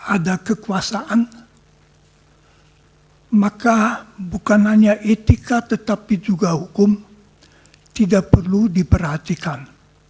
ada kekuasaan maka bukan hanya etika tetapi juga hukum tidak perlu diperhatikan